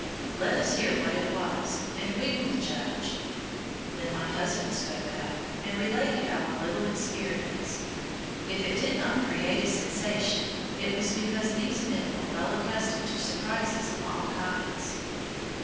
"Let us hear what it was and we will judge." Then my husband spoke up, and related our little experience. If it did not create a sensation, it was because these men were well accustomed to surprises of all kinds.